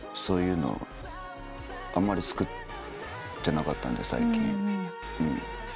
そういうのをあんまり作ってなかったんで最近。